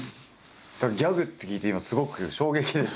だからギャグって聞いて今すごく衝撃です。